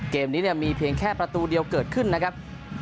เกมนี้มีเพียงแค่ประตูเดียวเกิดขึ้นนะครับ